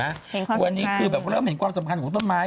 สักครั้งวันนี้คือเริ่มเห็นความสำคัญของต้นไม้